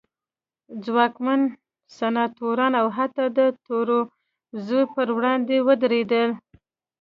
ځواکمن سناتوران او حتی د ترور زوی پر وړاندې ودرېدل.